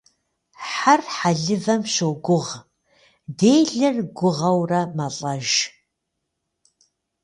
Хьэр хьэлывэм щогуыгъ, делэр гугъэурэ мэлӏэж.